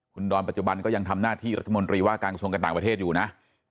คุณดอนปัจจุบันก็ยังทำหน้าที่รัฐมนตรีว่าการกระทรวงการต่างประเทศอยู่นะ